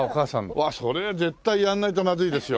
わあそれは絶対やんないとまずいですよ。